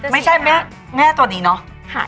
ไม่ใช่แม่ตัวนี้เนาะ